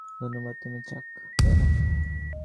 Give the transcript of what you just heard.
ধন্যবাদ, তুমি চাক, তাই না?